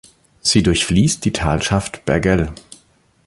Sie durchfließt die Talschaft Bergell.